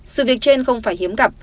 sự việc trên không phải hiếm gặp